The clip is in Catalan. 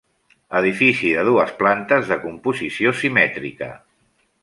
Edifici de dues plantes, de composició simètrica.